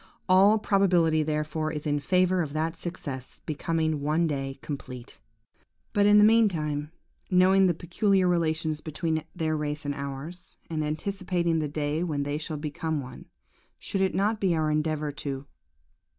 All probability therefore is in favour of that success becoming one day complete. "But, in the meantime, knowing the peculiar relations between their race and ours, and anticipating the day when they shall become one, should it not be our endeavour to